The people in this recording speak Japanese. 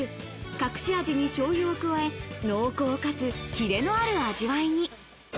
隠し味に醤油を加え、濃厚かつキレのある味わいに。